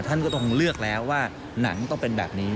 ท่านก็ต้องเลือกแล้วว่าหนังต้องเป็นแบบนี้